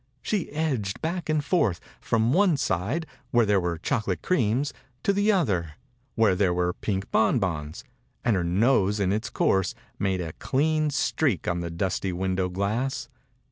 She edged back and forth from one side, where there were chocolate creams, to the other, where there were pink bonbons, and her nose in its course made a clean streak on the dusty window glass.